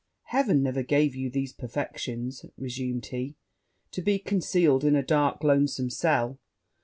'Heaven never gave you these perfections,' resumed he, 'to be concealed in a dark lonesome cell!